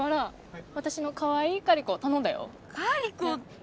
カリコって！